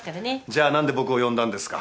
じゃあ何で僕を呼んだんですか？